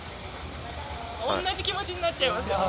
同じ気持ちになっちゃいますよね。